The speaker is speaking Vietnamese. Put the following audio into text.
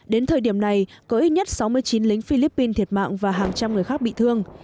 đến thời điểm này có ít nhất sáu mươi chín lính philippines thiệt mạng và hàng trăm người khác bị thương